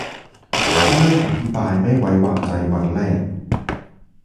- เริ่ม อภิปรายไม่ไว้วางใจ วันแรก